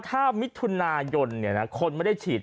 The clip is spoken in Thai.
ถ้ามิถุนายนคนไม่ได้ฉีด